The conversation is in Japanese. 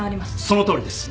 そのとおりです。